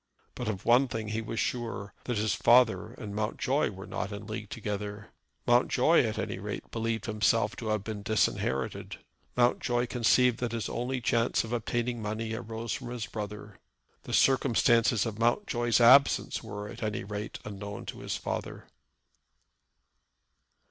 But of one thing he was sure, that his father and Mountjoy were not in league together. Mountjoy at any rate believed himself to have been disinherited. Mountjoy conceived that his only chance of obtaining money arose from his brother. The circumstances of Mountjoy's absence were, at any rate, unknown to his father.